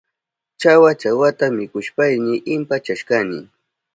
Chawa chawata mikushpayni impachashkani.